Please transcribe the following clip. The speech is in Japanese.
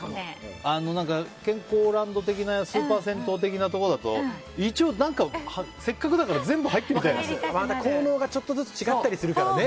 健康ランド的なスーパー銭湯的なところだと一応、せっかくだから効能がちょっとずつ違ったりするからね。